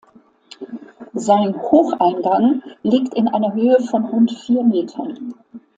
Sein Hocheingang liegt in einer Höhe von rund vier Metern.